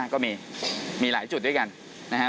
ก็มีหลายจุดด้วยกันนะฮะ